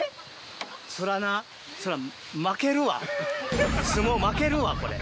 そらぁなそらぁ負けるわ相撲負けるわこれ。